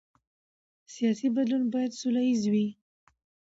سیاسي بدلون باید سوله ییز وي